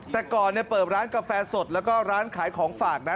แต่ก่อนเปิดร้านกาแฟสดแล้วก็ร้านขายของฝากนะ